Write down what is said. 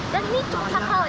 dan ini cukup terjal